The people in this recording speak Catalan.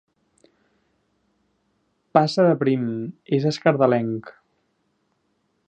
Passa de prim: és escardalenc.